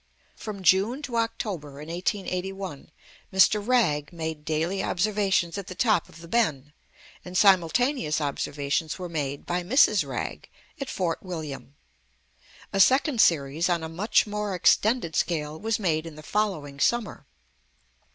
From June to October, in 1881, Mr. Wragge made daily observations at the top of the Ben; and simultaneous observations were made, by Mrs. Wragge, at Fort William. A second series, on a much more extended scale, was made in the following summer.